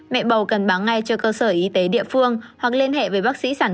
mẹ bầu cần báo ngay cho cơ sở y tế địa phương hoặc liên hệ với bác sĩ sản